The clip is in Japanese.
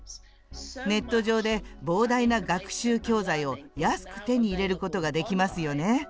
ネット上で膨大な学習教材を安く手に入れることができますよね。